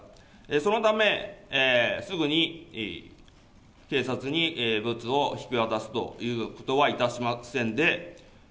そのため、すぐに警察にブツを引き渡すということはいたしませんで。